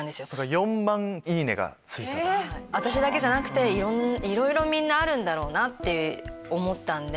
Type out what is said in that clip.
私だけじゃなくていろいろみんなあるんだって思ったんで。